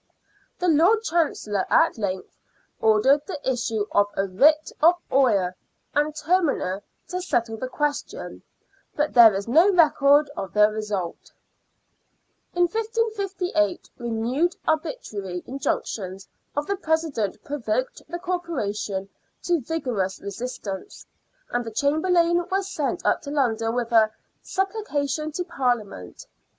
The Lord Chancellor at length ordered the issue of a writ of oyer and terminer to settle the question, but there is no record of the result. In 1558 renewed arbitrary injunctions of the President provoked the Corporation to vigorous resistance, and the Chamberlain was sent up to London with a " Supplication to Parliament."